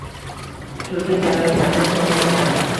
Turkiya sayyohlarni chorlamoqda